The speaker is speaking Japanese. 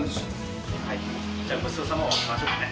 じゃあ、ごちそうさまをしましょうかね。